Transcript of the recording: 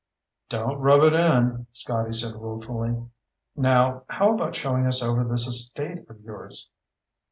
"Don't rub it in," Scotty said ruefully. "Now, how about showing us over this estate of yours?"